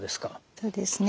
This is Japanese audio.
そうですね。